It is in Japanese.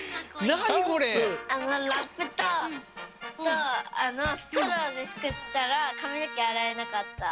ラップとストローでつくったらかみのけあらえなかった。